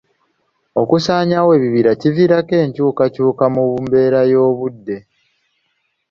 Okusaanyaawo ebibira kiviirako enkyukakyuka mu mbeera y'obudde.